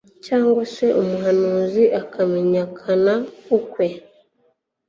cyangwa se umuhanzi akamenyekana ukwe